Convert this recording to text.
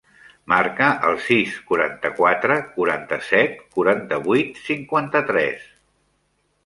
Marca el sis, quaranta-quatre, quaranta-set, quaranta-vuit, cinquanta-tres.